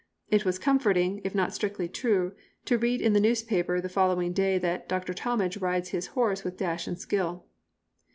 It was comforting, if not strictly true, to read in the newspaper the following day that "Doctor Talmage rides his horse with dash and skill."